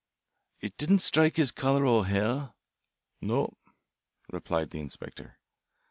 "It didn't strike his collar or hair?" "No," replied the inspector.